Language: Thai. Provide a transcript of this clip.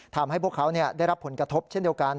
ทำให้พวกเขาได้รับผลกระทบเช่นเดียวกัน